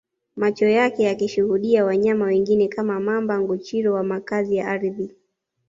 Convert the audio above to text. Macho yake yakishuhudia wanyama wengine kama Mamba Nguchiro wa makazi ya ardhi